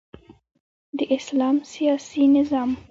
د اسلام سیاسی نظام